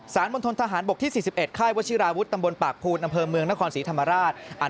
สารบนทนทหารบกที่๔๑ค่ายวชิราวุฒิตำบลปากภูนย์นำเพิ่มเมืองนครสีธรรมราช